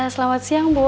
selamat siang bu